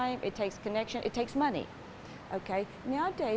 itu membutuhkan waktu penyambungan dan uang